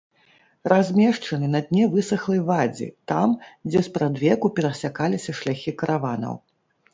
Размешчаны на дне высахлай вадзі там, дзе спрадвеку перасякаліся шляхі караванаў.